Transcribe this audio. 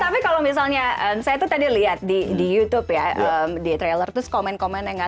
tapi kalau misalnya saya tuh tadi lihat di youtube ya di trailer terus komen komennya gak